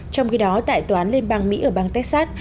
trong khi đó tại toán liên bang mỹ ở bang texas